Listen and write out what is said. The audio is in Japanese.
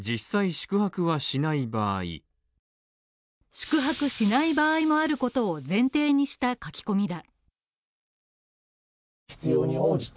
宿泊しない場合もあることを前提にした書き込みだ。